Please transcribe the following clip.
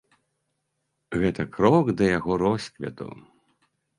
Гэта крок да яго росквіту.